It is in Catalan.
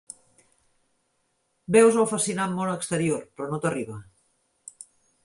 Veus el fascinant món exterior, però no t'arriba.